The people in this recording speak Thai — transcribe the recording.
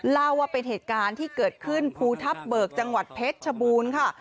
เล่าว่าเป็นเหตุการณ์ที่เกิดขึ้นภูทับเบิกจังหวัดเพชรชบูรณ์ค่ะ